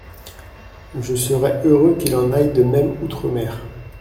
Je serais heureux qu’il en aille de même outre-mer.